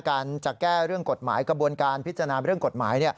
การจะแก้เรื่องกฎหมายกระบวนการพิจารณาเรื่องกฎหมาย